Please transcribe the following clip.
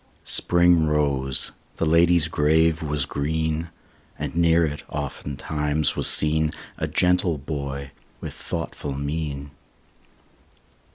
Spring rose; the lady's grave was green; And near it, oftentimes, was seen A gentle boy with thoughtful mien.